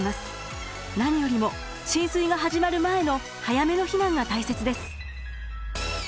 何よりも浸水が始まる前の早めの避難が大切です。